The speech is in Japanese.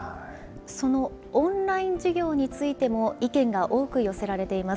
そのオンライン授業についても意見が多く寄せられています。